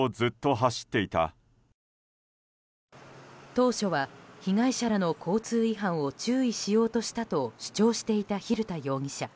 当初は被害者らの交通違反を注意しようとしたと主張していた蛭田容疑者。